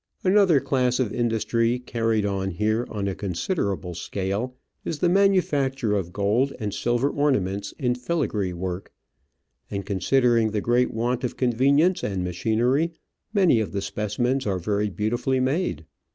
Another class of industry carried on here on a considerable scale is the manufacture of gold and silver ornaments in filigree work, and, Digitized by VjOOQIC OF AN Orchid Hunter, 35 considering the great want of convenience and machinery, many of the specimens are very beautifully made.